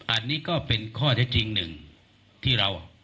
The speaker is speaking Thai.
อันนี้ก็เป็นข้อเท็จจริงหนึ่งที่เรา